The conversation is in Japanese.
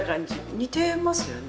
似てますよね？